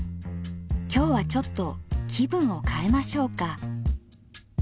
今日はちょっと気分を変えましょうか？